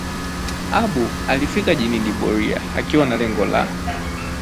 Abu alifika jijini Boria akiwa na lengo la